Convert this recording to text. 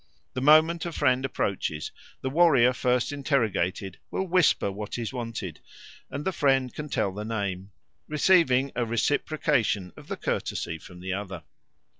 The moment a friend approaches, the warrior first interrogated will whisper what is wanted, and the friend can tell the name, receiving a reciprocation of the courtesy from the other."